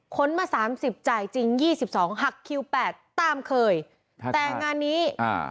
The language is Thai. คนมาสามสิบจ่ายจริงยี่สิบสองหักคิวแปดตามเคยครับแต่งานนี้อ่า